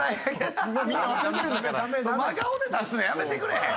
真顔で出すのやめてくれへん？